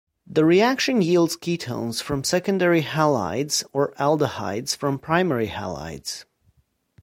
The reaction yields ketones from secondary halides or aldehydes from primary halides.